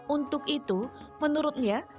untuk itu menurutnya